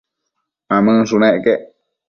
Mamënshunec quec